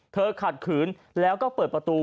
ขัดขืนแล้วก็เปิดประตู